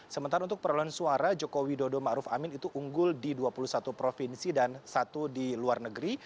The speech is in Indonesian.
sementara untuk perolohan suara jokowi widodo ma'ruf amin itu unggul di dua puluh satu provinsi dan satu di luar negeri